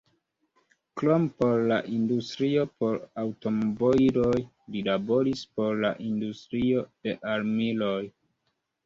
Krom por la industrio por aŭtomobiloj, li laboris por la industrio de armiloj.